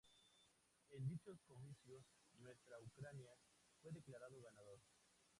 En dichos comicios, Nuestra Ucrania fue declarado ganador.